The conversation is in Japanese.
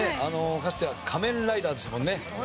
かつては仮面ライダーですもんね。